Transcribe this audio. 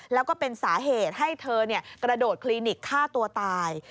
แล้วก็เป็นสาเหตุให้เธอกระโดดคลินิกฆ่าตัวตาย